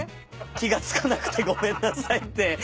「気がつかなくてごめんなさい」って。